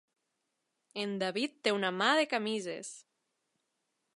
En David té una mà de camises!